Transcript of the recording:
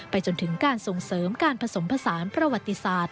จนถึงการส่งเสริมการผสมผสานประวัติศาสตร์